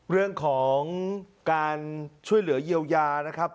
เรื่องของการช่วยเหลือเยียวยานะครับ